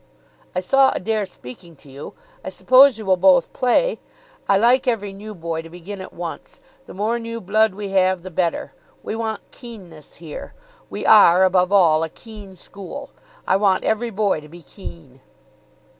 "I saw Adair speaking to you. I suppose you will both play. I like every new boy to begin at once. The more new blood we have, the better. We want keenness here. We are, above all, a keen school. I want every boy to be keen."